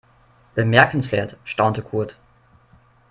"Bemerkenswert", staunte Kurt.